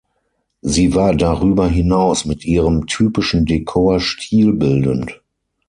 Sie war darüber hinaus mit ihrem typischen Dekor stilbildend.